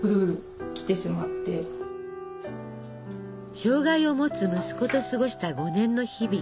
障害を持つ息子と過ごした５年の日々。